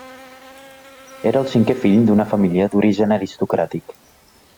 Era el cinquè fill d'una família d'origen aristocràtic.